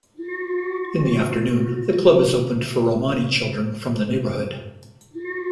In the afternoon the club is opened for Romani children from the neighbourhood.